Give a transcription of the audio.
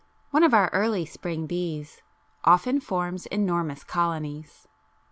D, 24, 25), one of our early spring bees, often forms enormous colonies.